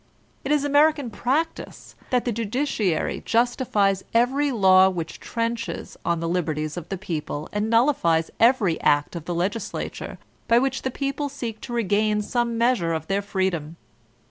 It is American practice that the Judiciary justifies every law which trenches on the liberties of the people and nullifies every act of the Legislature by which the people seek to r^ain some measure of their freedom.